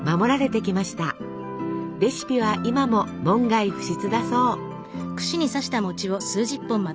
レシピは今も門外不出だそう。